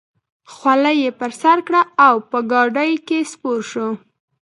خولۍ یې پر سر کړه او په ګاډۍ کې سپور شو.